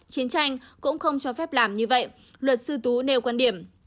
chiến tranh cũng không cho phép làm như vậy luật sư tú nêu quan điểm